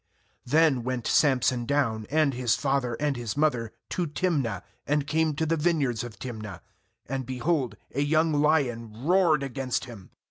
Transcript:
6Then went Samson down, and his father and his mother, to Timnah, and came to the vineyards of Timnah; and, behold, a young lion roared against him.